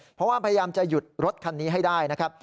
เพราะว่าพยายามจะหยุดรถคันนี้ให้ได้นะครับ